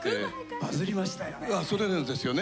バズりましたよね。